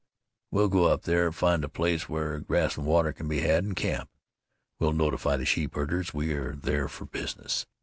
We'll go up there, find a place where grass and water can be had, and camp. We'll notify the sheep herders we are there for business.